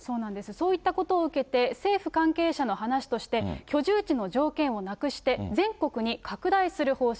そういったことを受けて、政府関係者の話として、居住地の条件をなくして、全国に拡大する方針。